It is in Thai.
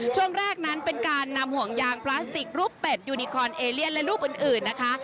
ช่วงแรกนั้นเป็นการนำห่วงยางพลาสติกรูปเป็ดยูนิคอนเอเลียนและรูปอื่นนะคะ